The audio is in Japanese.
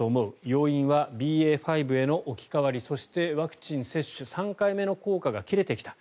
要因はＢＡ．５への置き換わりそして、ワクチン接種３回目の効果が切れてきた。